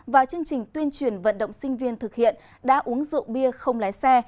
và chương trình tuyên truyền vận động sinh viên thực hiện đã uống rượu bia không lái xe